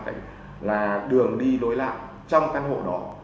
hai là về nguyên tắc là để sản xuất